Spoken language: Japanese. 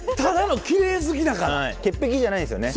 潔癖じゃないですよね。